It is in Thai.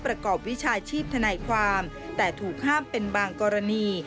ประกอบวิชาชีพทนายความแต่ถูกห้ามเป็นบางกรณี